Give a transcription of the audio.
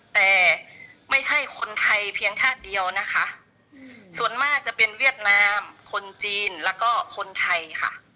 แต่ไม่ใช่คนไทยเพียงชาติเดียวนะคะส่วนมากจะเป็นเวียดนามคนจีนแล้วก็คนไทยค่ะ